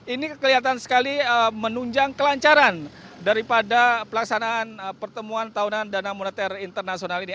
ini kelihatan sekali menunjang kelancaran daripada pelaksanaan pertemuan tahunan dana moneter internasional ini